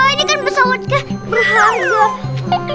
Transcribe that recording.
ini kan pesawatnya berharga